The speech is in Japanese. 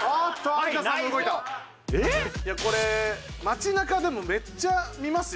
これ街なかでもめっちゃ見ますよ。